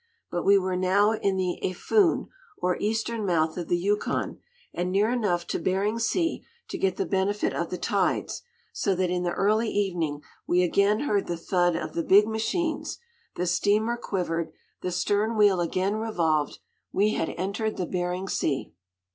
But we were now in the Aphoon, or eastern mouth of the Yukon, and near enough to Behring Sea to get the benefit of the tides; so that in the early evening we again heard the thud of the big machines, the steamer quivered, the stern wheel again revolved, we had entered the Behring Sea!